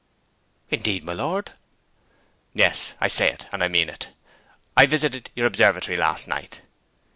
'Indeed, my lord!' 'Yes, I say it, and I mean it. I visited your observatory last night.'